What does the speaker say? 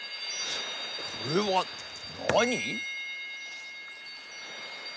これはなに？